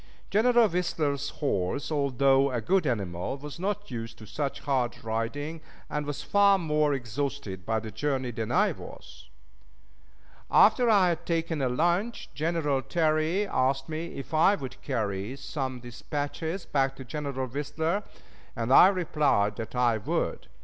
General Whistler's horse, although a good animal, was not used to such hard riding, and was far more exhausted by the journey than I was. After I had taken a lunch, General Terry asked me if I would carry some dispatches back to General Whistler, and I replied that I would.